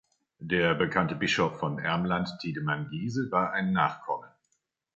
Der bekannte Bischof von Ermland Tiedemann Giese, war ein Nachkomme.